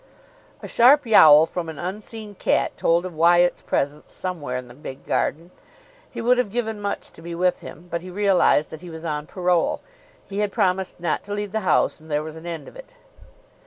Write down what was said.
A sharp yowl from an unseen cat told of Wyatt's presence somewhere in the big garden. He would have given much to be with him, but he realised that he was on parole. He had promised not to leave the house, and there was an end of it.